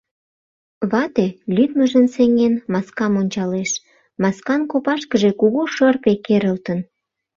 Вате, лӱдмыжым сеҥен, маскам ончалеш: маскан копашкыже кугу шырпе керылтын.